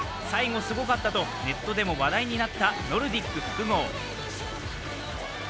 最後すごかったとネットでも話題になったノルディック複合。